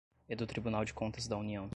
e do Tribunal de Contas da União;